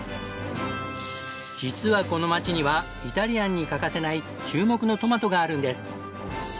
実はこの街にはイタリアンに欠かせない注目のトマトがあるんです。